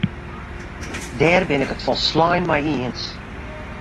Dêr bin ik it folslein mei iens.